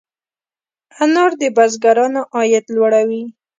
انار د بزګرانو عاید لوړوي.